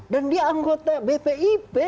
dan dia anggota bpip